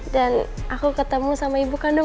dan aku ketemu sama ibu kandung